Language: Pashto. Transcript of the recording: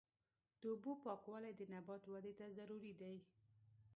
د اوبو پاکوالی د نبات ودې ته ضروري دی.